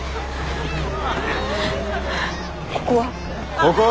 ここは？